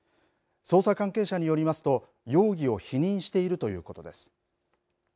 捜査関係者によりますと容疑を否認しているということです。